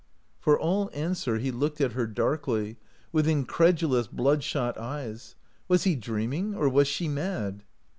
For all answer he looked at her darkly, with incredulous bloodshot eyes. Was he dreaming, or was she mad?